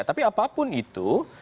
tapi apapun itu